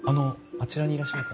あちらにいらっしゃる方。